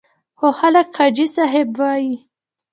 خو خلک حاجي صاحب وایي.